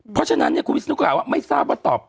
เพราะฉะนั้นคุณวิศนุกล่าวว่าไม่ทราบว่าตอบ